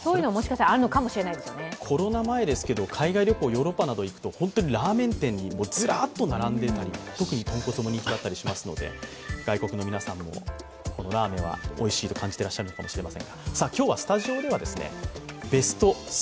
コロナ前ですけど、海外旅行、ヨーロッパなどに行くと本当にラーメン店にずらっと並んでいたり、特に豚骨も人気があったりしますのでこのラーメンはおいしいと感じていらっしゃるのかもしれません。